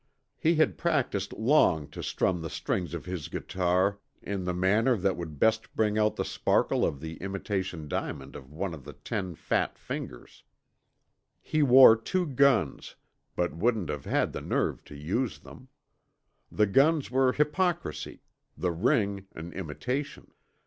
He had practiced long to strum the strings of his guitar in the manner that would best bring out the sparkle of the imitation diamond on one of ten fat fingers. He wore two guns, but wouldn't have had the nerve to use them. The guns were hypocrisy, the ring an imitation.